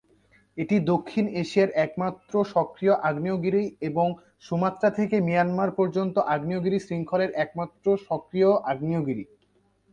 এটি দক্ষিণ এশিয়ার একমাত্র সক্রিয় আগ্নেয়গিরি এবং সুমাত্রা থেকে মিয়ানমার পর্যন্ত আগ্নেয়গিরি শৃঙ্খলের একমাত্র সক্রিয় আগ্নেয়গিরি।